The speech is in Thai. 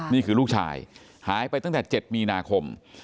นี่คือลูกชายหายไปตั้งแต่๗มีนาคม